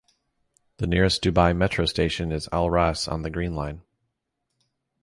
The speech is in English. The nearest Dubai Metro station is Al Ras on the Green Line.